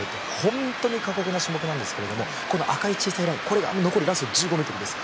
本当に過酷な種目なんですが赤い小さいラインが残りラスト１５ｍです。